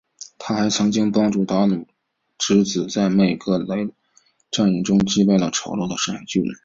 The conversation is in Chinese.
她还曾经帮助达努之子在麦格图雷德战役中击败了丑陋的深海巨人。